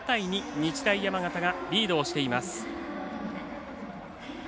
日大山形がリードをしています。